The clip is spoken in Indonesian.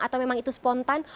atau memang itu spontan